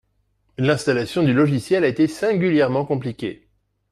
L'installation du logiciel a été singulièrement compliquée